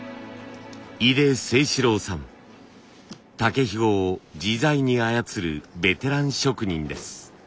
竹ひごを自在に操るベテラン職人です。